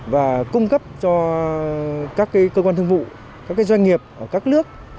và cung cấp cho các cơ quan thương vụ các doanh nghiệp ở các nước